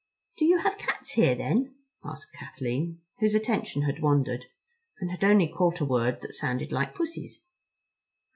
"Do you have cats here then?" asked Kathleen, whose attention had wandered, and had only caught a word that sounded like Pussies.